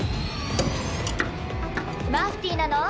マフティーなの？